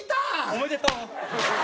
おめでとう！